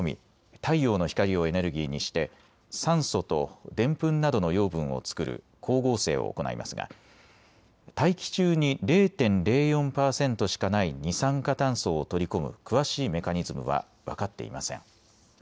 太陽の光をエネルギーにして酸素とデンプンなどの養分を作る光合成を行いますが大気中に０．０４％しかない二酸化炭素を取り込む詳しいメカニズムは分かっていません。